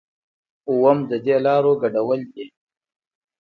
اووم ددې لارو ګډول دي.